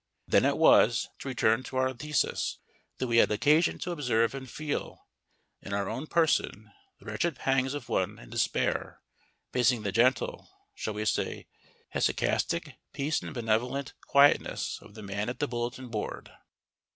Then it was, to return to our thesis, that we had occasion to observe and feel in our own person the wretched pangs of one in despair facing the gentle shall we say hesychastic? peace and benevolent quietness of the man at the bulletin board.